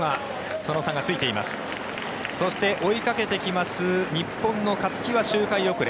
そして、追いかけてきます日本の勝木は周回遅れ。